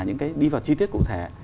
những cái đi vào chi tiết cụ thể